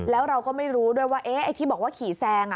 แล้วเราก็ไม่รู้ด้วยว่าไอ้ที่บอกว่าขี่แซง